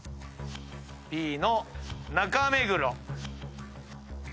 Ｂの中目黒。